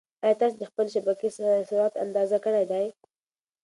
ایا تاسي د خپلې شبکې سرعت اندازه کړی دی؟